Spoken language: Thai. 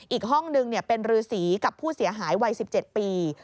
อีกห้องนึงเป็นรือสีกับผู้เสียหายวัย๑๗ปี